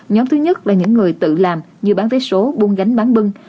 nhóm thứ nhất là những người tự làm như bán vé số buôn gánh bán bưng